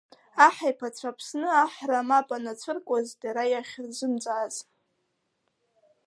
Аҳ иԥацәа Аԥсны аҳра мап анырцәыркуаз дара иахьырзымҵааз.